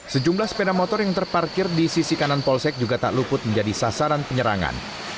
sejumlah sepeda motor yang terparkir di sisi kanan polsek juga tak luput menjadi sasaran penyerangan